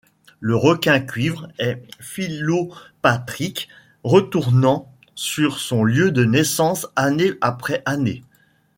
Le Requin cuivre est philopatrique, retournant sur son lieu de naissance année après année.